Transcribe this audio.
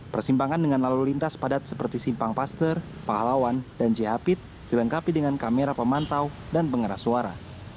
persimpangan dengan lalu lintas padat seperti simpang paster pahlawan dan jhp dilengkapi dengan kamera pemantau dan pengeras suara